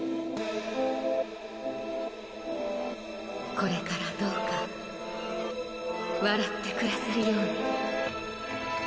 これからどうか笑って暮らせるように。